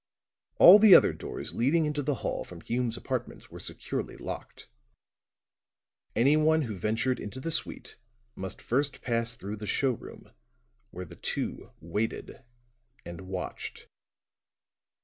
All the other doors leading into the hall from Hume's apartments were securely locked; anyone who ventured into the suite must first pass through the showroom where the two waited and watched.